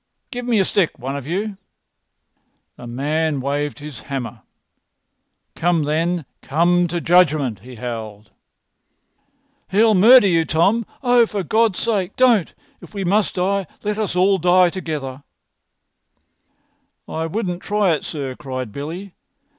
Give me a stick, one of you." The man waved his hammer. "Come, then! Come to judgment!" he howled. "He'll murder you, Tom! Oh, for God's sake, don't! If we must die, let us die together." "I wouldn't try it, sir," cried Billy.